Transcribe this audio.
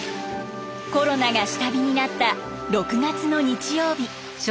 コロナが下火になった６月の日曜日。